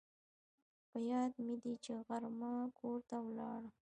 په یاد مې دي چې غرمه کور ته ولاړم